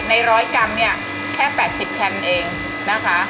ร้อยกรัมเนี่ยแค่๘๐แคนเองนะคะ